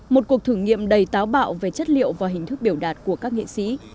một cuộc thử nghiệm đầy táo bạo về chất liệu và hình thức biểu đạt của các nghệ sĩ